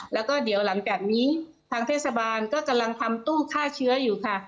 แล้วก็เดี๋ยวหลังจากนี้ทางเทศบาลก็กำลังทำตู้ฆ่าเชื้ออยู่ค่ะ